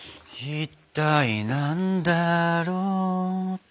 一体何だろうと。